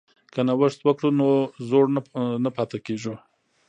که نوښت وکړو نو زوړ نه پاتې کیږو.